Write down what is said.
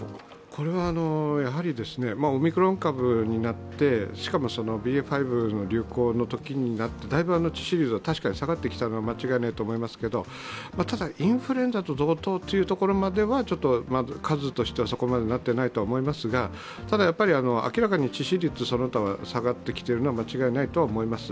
これはやはり、オミクロン株になってしかもそのＢＡ．５の流行に比べてだいぶ致死率が下がってきたのは間違いないと思いますが、インフルエンザと同等というところまではまだ数としてはそこまでにはなっていないと思いますがただやっぱり明らかに致死率その他は下がってきているのは間違いないとは思います。